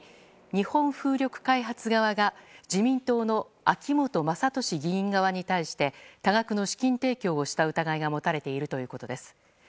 日本風力開発側が自民党の秋本真利議員側に対して多額の資金提供をした疑いが持たれているということです。